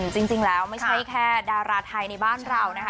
จริงแล้วไม่ใช่แค่ดาราไทยในบ้านเรานะคะ